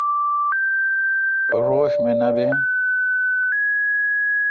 روݭ می بین۔